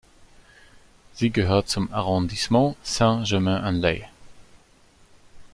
Sie gehört zum Arrondissement Saint-Germain-en-Laye.